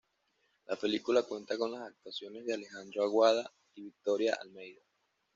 La película cuenta con las actuaciones de Alejandro Awada y Victoria Almeida.